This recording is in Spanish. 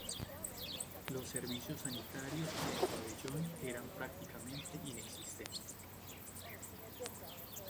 Los servicios sanitarios en el pabellón era prácticamente inexistentes.